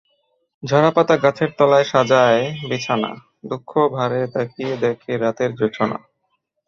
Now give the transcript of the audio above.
ঝরা পাতা গাছের তলায় সাজায় বিছানা, দুঃখ ভারে তাকিয়ে দেখে রাতের জোছনা।